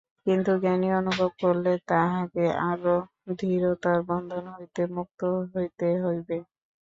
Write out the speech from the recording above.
কিন্তু জ্ঞানী অনুভব করেন, তাঁহাকে আরও দৃঢ়তর বন্ধন হইতে মুক্ত হইতে হইবে।